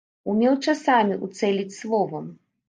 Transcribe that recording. Умеў часамі ўцэліць словам!